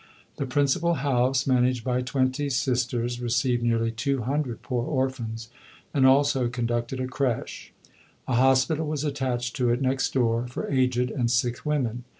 The principal House, managed by twenty Sisters, received nearly two hundred poor orphans, and also conducted a crêche. A hospital was attached to it, next door, for aged and sick women.